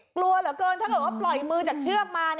กลัวเหลือเกินถ้าเกิดว่าปล่อยมือจากเชือกมา